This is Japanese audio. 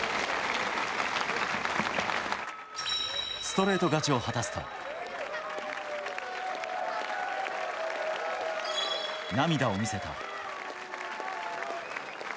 ストレート勝ちを果たすと、涙を見せた。